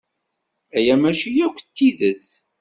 Aya mačči akk d tidet.